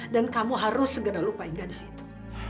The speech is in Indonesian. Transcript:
dan kamu harus segera lupain gadis itu